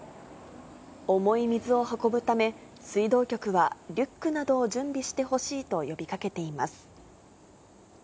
重い水を運ぶため、水道局はリュックなどを準備してほしいと呼びかけています。